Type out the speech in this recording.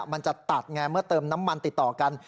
มันจะตัดไงเมื่อเติมน้ำมันติดต่อกัน